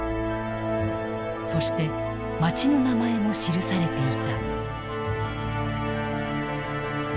そして町の名前も記されていた。